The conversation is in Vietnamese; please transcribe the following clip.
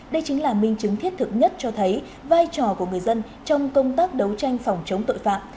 đây chính là minh chứng thiết thực nhất cho thấy vai trò của người dân trong công tác đấu tranh phòng chống tội phạm